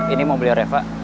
ini mobilnya reva